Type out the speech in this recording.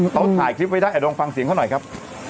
เขาถ่ายคลิปไว้ได้ลองฟังเสียงเขาหน่อยครับ